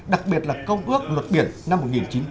đặc biệt là công ước luật biển năm một nghìn chín trăm tám mươi hai